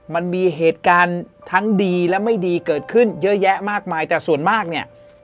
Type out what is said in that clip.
มันมีเหตุการณ์ทั้งดีและไม่ดีเกิดขึ้นเยอะแยะมากมายแต่ส่วนมากเนี่ย